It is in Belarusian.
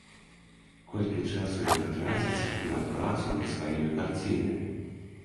Колькі часу яна траціць на працу над сваімі карцінамі?